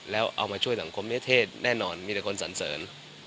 แล้วเอามาช่วยสังคมเนื้อเทศแน่นอนมีแต่คนสันเสริญ